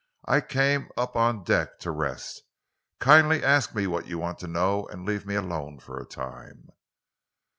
"I came up on deck to rest. Kindly ask me what you want to know and leave me alone for a time."